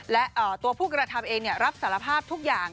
และตัวผู้กระทำเองรับสารภาพทุกอย่าง